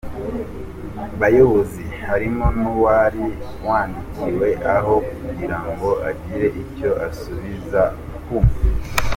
bayozi harimo nuwari wandikiwe aho kugirango agire icyo asubiza ku